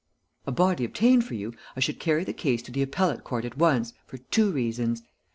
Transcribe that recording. "A body obtained for you, I should carry the case to the Appellate Court at once, for two reasons.